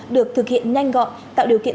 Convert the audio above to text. được thực hiện nhanh gọn tạo điều kiện